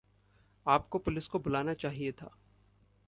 आपको पुलिस को बुलाना चाहिए था।